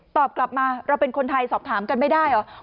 ตอบกลับมาเราเป็นคนไทยสอบถามกันไม่ได้เหรอ